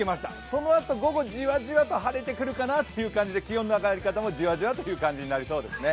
そのあと午後じわじわと晴れてくるかなという感じで気温の上がり方もじわじわといった感じになりそうです。